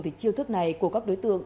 thì chiêu thức này của các đối tượng